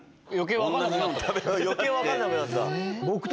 余計分かんなくなったかも。